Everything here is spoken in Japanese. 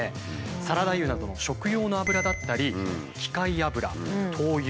サラダ油などの食用の油だったり機械油灯油また美容オイル。